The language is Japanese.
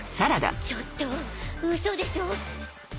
ちょっとウソでしょ！？